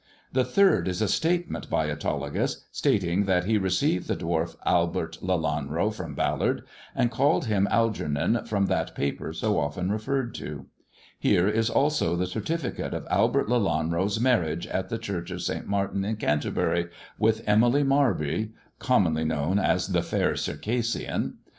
The third is a statement by Autolycus, stating that he received the dwarf Albert Lelanro from Ballard, and called him Algernon from that paper so often referred to. Here is also the certificate of Albert Lelanro's marriage at the Church of St. Martin in Canterbury, with Emily Marby, commonly known as the Fair Circassian.